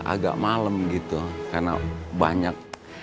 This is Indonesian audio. nah ya agak malem gitu karena banyak